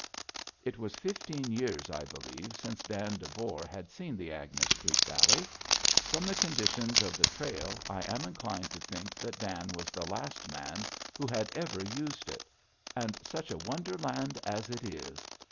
It was fifteen years, I believe, since Dan Devore had seen the Agnes Creek Valley. From the condition of the trail, I am inclined to think that Dan was the last man who had ever used it. And such a wonderland as it is!